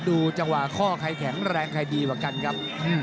ดูจังหวะข้อใครแข็งแรงใครดีกว่ากันครับ